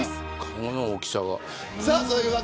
顔の大きさが。